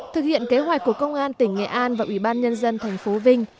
thực hiện kế hoạch của công an tỉnh nghệ an và ủy ban nhân dân tp vinh